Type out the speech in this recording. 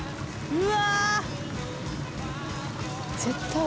うわ！